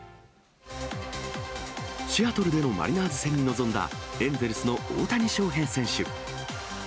シアトルでのマリナーズ戦に臨んだエンゼルスの大谷翔平選手。